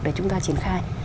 để chúng ta triển khai